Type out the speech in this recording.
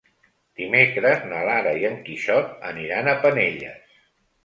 Dimecres na Lara i en Quixot aniran a Penelles.